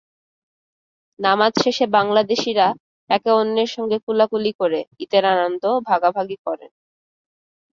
নামাজ শেষে বাংলাদেশিরা একে অন্যের সঙ্গে কোলাকুলি করে ঈদের আনন্দ ভাগাভাগি করেন।